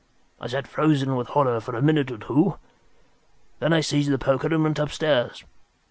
I sat frozen with horror for a minute or two. Then I seized the poker and went downstairs.